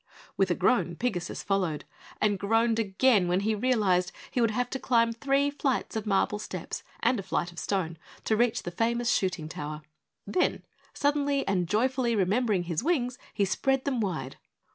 With a groan Pigasus followed, and groaned again when he realized he would have to climb three flights of marble steps and a flight of stone to reach the famous shooting tower. Then, suddenly and joyfully remembering his wings, he spread them wide.